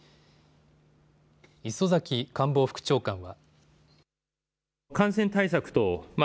磯崎官房副長官は。